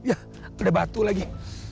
udah batu lagi